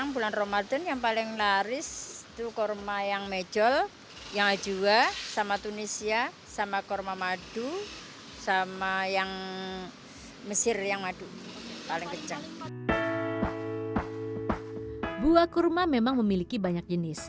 buah kurma memang memiliki banyak jenis